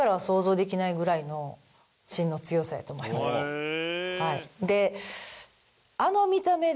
へえ。